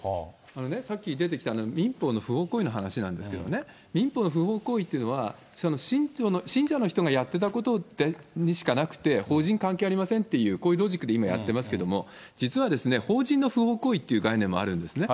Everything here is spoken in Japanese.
あのね、さっき出てきた民法の不法行為の話なんですけどね、民法の不法行為というのは、その信者の人がやってたことにしかなくて、法人関係ありませんっていう、こういうロジックで今やってますけれども、実はですね、法人の不法行為っていう概念もあるんですね。